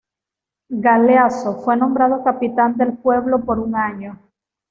Galeazzo fue nombrado "capitán del pueblo" por un año.